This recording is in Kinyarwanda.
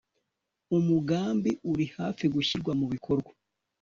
umugambi uri hafi gushyirwa mu bikorwa